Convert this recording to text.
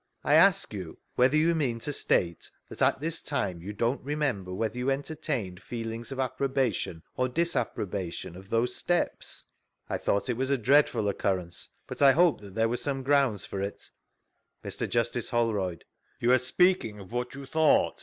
I ask you whether you mean to state that at this time, you don't remember whether you entertained feel ings of approbation or disapprobation of those steps? — I thought it was a 'dreadful occurrence; but I hoped that there were some grounds for it. ■V Google STANLEY'S EVIDENCE 37 Mr. Justice Holrovd: You are spealdng of what you thought?